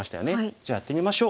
じゃあやってみましょう。